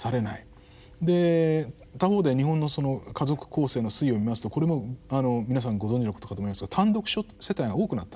で他方で日本の家族構成の推移を見ますとこれも皆さんご存じのことかと思いますが単独世帯が多くなった。